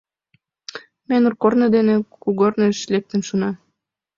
Ме нур корно дене кугорныш лектын шуна.